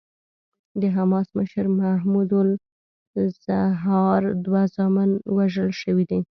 د حماس مشر محمود الزهار دوه زامن وژل شوي دي.